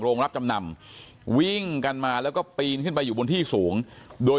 รับจำนำวิ่งกันมาแล้วก็ปีนขึ้นไปอยู่บนที่สูงโดย